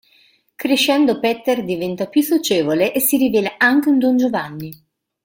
Crescendo Petter diventa più socievole e si rivela anche un dongiovanni.